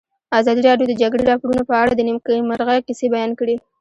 ازادي راډیو د د جګړې راپورونه په اړه د نېکمرغۍ کیسې بیان کړې.